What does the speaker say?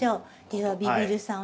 ではビビるさん